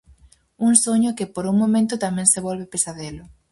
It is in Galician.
Un soño que, por un momento, tamén se volve pesadelo...